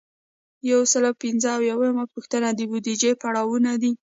یو سل او پنځه اویایمه پوښتنه د بودیجې پړاوونه دي.